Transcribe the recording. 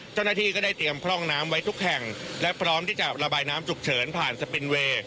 เจ้าหน้าที่ก็ได้เตรียมพร่องน้ำไว้ทุกแห่งและพร้อมที่จะระบายน้ำฉุกเฉินผ่านสปินเวย์